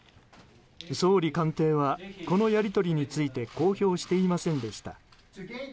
総理官邸はこのやり取りについて公表していませんでした。